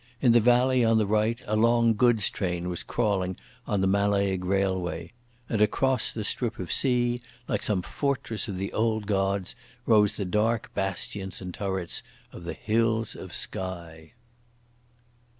In the valley on the right a long goods train was crawling on the Mallaig railway. And across the strip of sea, like some fortress of the old gods, rose the dark bastions and turrets of the hills of Skye.